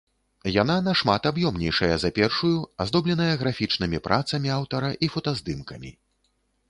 Яна нашмат аб'ёмнейшая за першую, аздобленая графічнымі працамі аўтара і фотаздымкамі.